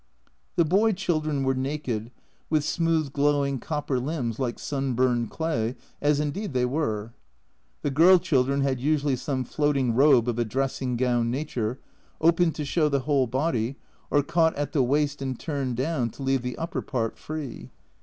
The boy children were naked, with smooth glowing copper limbs like sun burned clay as indeed they were. The girl children had usually some floating robe of a dressing gown nature, open to show the whole body, or caught at the waist and turned down to leave the upper part free.